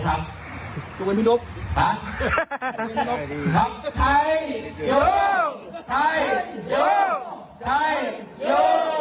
แฮปปี้เบิร์สเจทูยู